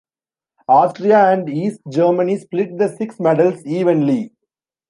Austria and East Germany split the six medals evenly.